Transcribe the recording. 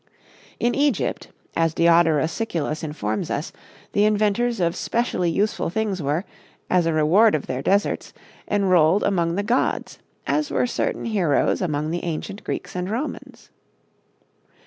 In Egypt, as Diodorus Siculus informs us, the inventors of specially useful things were, as a reward of their deserts, enrolled among the gods, as were certain heroes among the ancient Greeks and Romans.